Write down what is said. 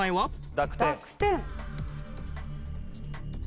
濁点。